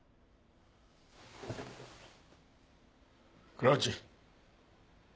倉内。